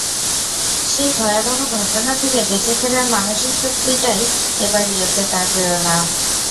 সেই ভয়াবহ ঘটনা থেকে বেঁচে ফেরার মানসিক শক্তিটাই এবার রিওতে তার প্রেরণা।